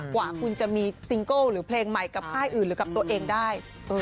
กว่าคุณจะมีซิงเกิลหรือเพลงใหม่กับค่ายอื่นหรือกับตัวเองได้